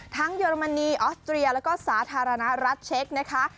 เยอรมนีออสเตรียแล้วก็สาธารณรัฐเช็คนะคะ